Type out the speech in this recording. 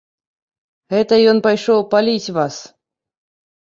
Гэта ён ішоў паліць вас.